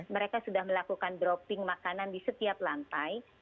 mereka sudah melakukan dropping makanan di setiap lantai